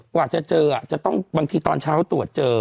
กว่าจะเจอจะต้องบางทีตอนเช้าตรวจเจอ